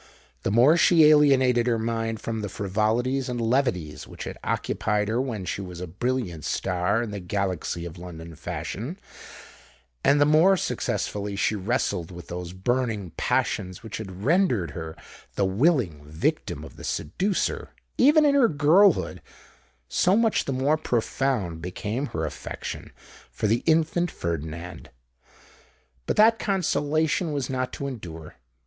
The more she alienated her mind from the frivolities and levities which had occupied her when she was a brilliant star in the galaxy of London fashion,—and the more successfully she wrestled with those burning passions which had rendered her the willing victim of the seducer, even in her girlhood,—so much the more profound became her affection for the infant Ferdinand. But that consolation was not to endure.